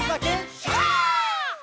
「シャー」